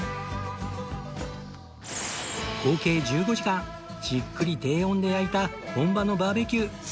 合計１５時間じっくり低温で焼いた本場のバーベキュー